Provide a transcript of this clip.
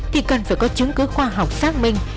thì cần phải có chứng cứ khoa học xác minh